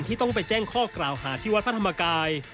ต้องไปแจ้งข้อกล่าวหาที่วัดพระธรรมกาย